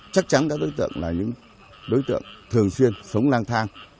chắc chắn các đối tượng là những đối tượng thường xuyên sống lang thang